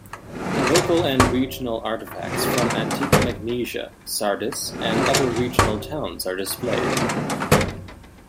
Local and regional artefacts from antique Magnesia, Sardes and other regional towns are displayed.